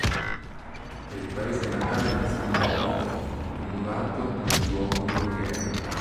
È il paese natale di San Bovo, tumulato nel duomo di Voghera.